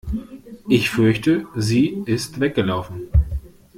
Ich fürchte, sie ist weggelaufen.